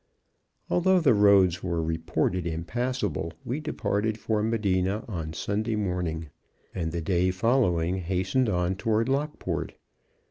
Although the roads were reported impassable, we departed for Medina on Sunday morning, and, the day following, hastened on toward Lockport.